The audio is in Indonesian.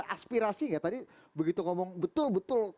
aspirasi nggak tadi begitu ngomong betul betul